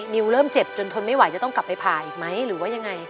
ิวเริ่มเจ็บจนทนไม่ไหวจะต้องกลับไปผ่าอีกไหมหรือว่ายังไง